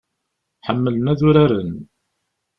Ḥemmlen ad uraren.